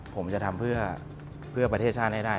ผมจะทำเพื่อประเทศชาติให้ได้